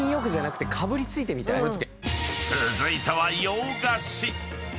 ［続いては洋菓子］